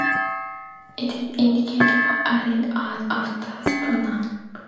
It is indicated by adding "ando" after the pronoun.